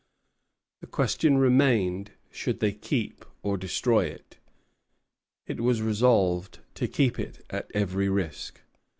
The question remained, should they keep, or destroy it? It was resolved to keep it at every risk.